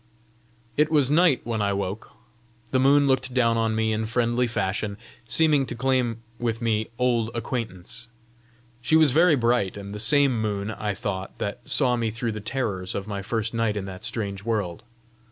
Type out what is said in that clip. It was night when I woke. The moon looked down on me in friendly fashion, seeming to claim with me old acquaintance. She was very bright, and the same moon, I thought, that saw me through the terrors of my first night in that strange world.